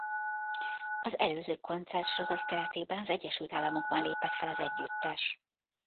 Az előző koncertsorozat keretében az Egyesült Államokban lépett fel az együttes.